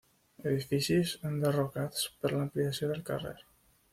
Edificis enderrocats per l'ampliació del carrer.